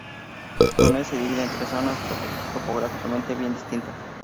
Túnez se divide en tres zonas topográficamente bien distintas.